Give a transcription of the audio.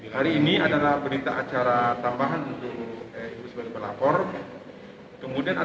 hari ini adalah berita acara tambahan untuk ibu sebagai pelapor